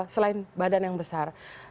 selain badan yang besar